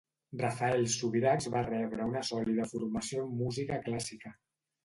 Rafael Subirachs va rebre una sòlida formació en música clàssica.